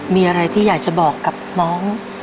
มีอะไรที่อยากจะบอกกับน้อง